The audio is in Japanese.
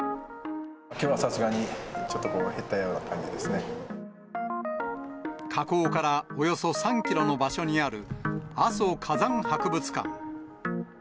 きょうはさすがにちょっと減火口からおよそ３キロの場所にある、阿蘇火山博物館。